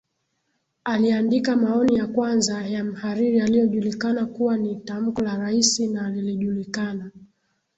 aliandika maoni ya kwanza ya mhariri yaliyojulikana kuwa ni tamko la raisi na lilijulikana